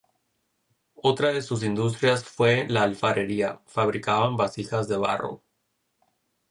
Otra de sus industrias fue la alfarería; fabricaban vasijas de barro.